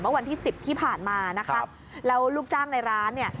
วันที่สิบที่ผ่านมานะคะแล้วลูกจ้างในร้านเนี่ย